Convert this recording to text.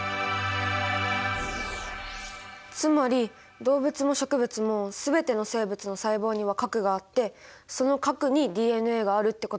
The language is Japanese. つまり動物も植物も全ての生物の細胞には核があってその核にＤＮＡがあるってことなんですね。